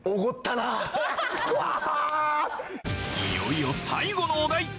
いよいよ最後のお題。